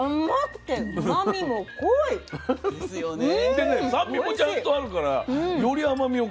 でね酸味もちゃんとあるからより甘みを感じる。